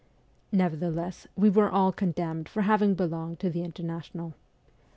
' Nevertheless, we were all condemned for having belonged to the International.